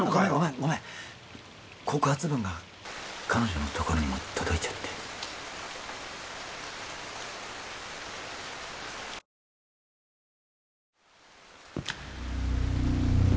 ごめん告発文が彼女のところにも届いちゃってドアが閉まります